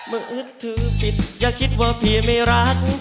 อึดถือผิดอย่าคิดว่าพี่ไม่รัก